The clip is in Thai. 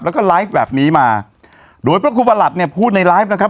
แล้วก็ไลฟ์แบบนี้มาโดยพระครูประหลัดเนี่ยพูดในไลฟ์นะครับ